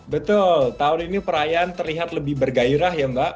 betul tahun ini perayaan terlihat lebih bergairah ya mbak